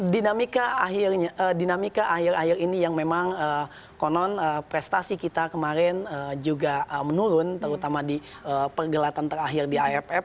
dinamika akhir akhir ini yang memang konon prestasi kita kemarin juga menurun terutama di pergelatan terakhir di iff